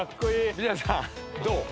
皆さんどう？